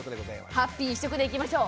ハッピー一色でいきましょう。